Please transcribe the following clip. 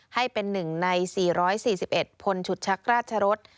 ให้เป็น๑ใน๔๔๑พลฉุดชักราชรส